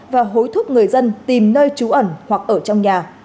và hối thúc người dân tìm nơi trú ẩn hoặc ở trong nhà